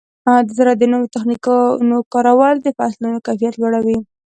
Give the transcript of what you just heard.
د زراعت د نوو تخنیکونو کارول د فصلونو کیفیت لوړوي.